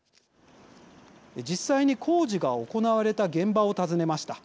実際に工事が行われた現場を訪ねました。